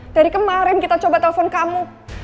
dari kemarin kita coba telepon kamu